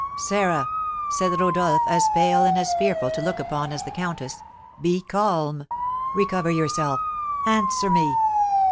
"Sarah!" said Rodolph, as pale and as fearful to look upon as the countess; "be calm, recover yourself, answer me!